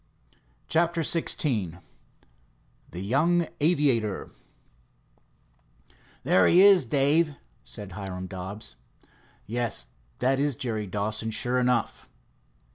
CHAPTER XVI THE YOUNG AVIATOR "There he is, Dave," said Hiram Dobbs. "Yes, that is Jerry Dawson, sure enough."